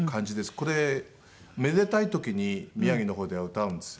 これめでたい時に宮城の方では歌うんですよ。